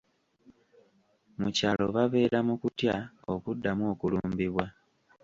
Mu kyalo babeera mu kutya okuddamu okulumbibwa.